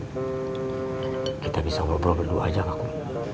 kum kita bisa ngobrol berdua aja kakum